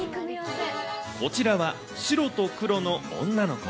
こちらは、白と黒の女の子。